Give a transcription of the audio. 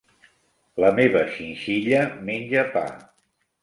La meva xinxilla menja pa.